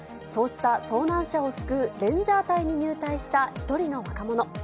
そうした遭難者を救うレンジャー隊に入隊した１人の若者。